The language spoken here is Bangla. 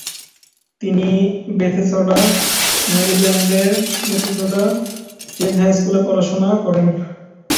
তিনি বেথেসডা, মেরিল্যান্ডের বেথেসডা-চেজ হাই স্কুলে পড়াশোনা করেন।